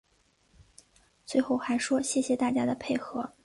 最后还说谢谢大家的配合